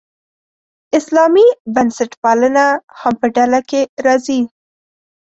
اسلامي بنسټپالنه هم په ډله کې راځي.